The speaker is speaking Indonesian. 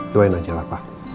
doain aja lah pak